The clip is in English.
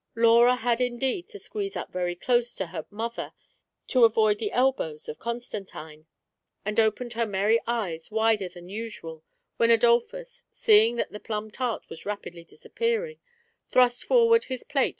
Laura had indeed to squeeze up very close to her mother to avoid the elbows of Constantine, and opened her merry eyes wider than usual when Adolphus, seeing that the plum tart was rapidly disappearing, thrust forward his plate THE ARRIVAL.